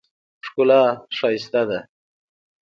ښکلا ښایسته ده.